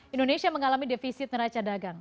indonesia mengalami defisit neraca dagang